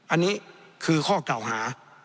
อันนี้คือข้อเก่าหา